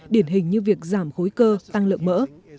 điển hình như việc giảm khối cơ tăng lượng mỡ